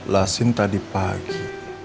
lasin tadi pagi